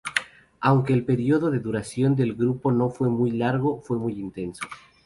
Aunque el período de duración del grupo no fue muy largo, fue muy intenso.